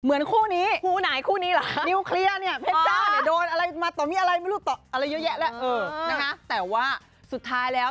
เหมือนคู่นี้นิวเคลียร์เนี่ยเพชรจ้าโดนอะไรมาต่อมีอะไรไม่รู้ต่ออะไรเยอะแยะแหละแต่ว่าสุดท้ายแล้ว